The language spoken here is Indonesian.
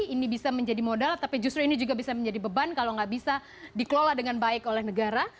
ini bisa menjadi modal tapi justru ini juga bisa menjadi beban kalau nggak bisa dikelola dengan baik oleh negara